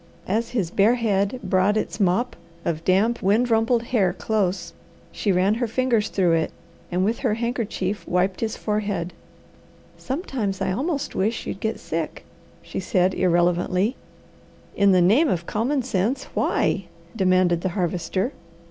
As his bare head brought its mop of damp wind rumpled hair close, she ran her fingers through it, and with her handkerchief wiped his forehead. "Sometimes I almost wish you'd get sick," she said irrelevantly. "In the name of common sense, why?" demanded the Harvester.